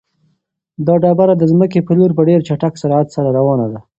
دا ډبره د ځمکې په لور په ډېر چټک سرعت سره روانه ده.